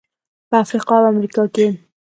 په افریقا او امریکا کې.